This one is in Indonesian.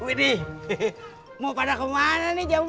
wih dih mau pada kemana nih jam dua